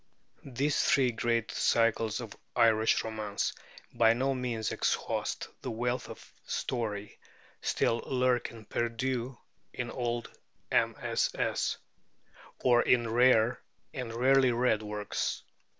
These three great cycles of Irish romance by no means exhaust the wealth of story, still lurking perdu in old MSS. or in rare and rarely read works.